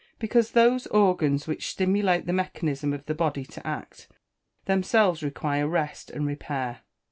_ Because those organs which stimulate the mechanism of the body to act, themselves require rest and repair.